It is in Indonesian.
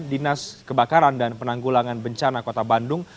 dinas kebakaran dan penanggulangan bencana kota bandung